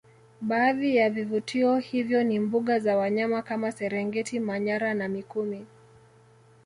Baadhi ya vivutio hivyo ni mbuga za wanyama kama serengeti manyara na mikumi